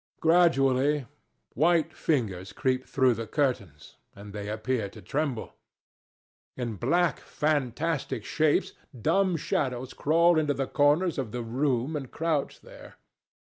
Gradually white fingers creep through the curtains, and they appear to tremble. In black fantastic shapes, dumb shadows crawl into the corners of the room and crouch there.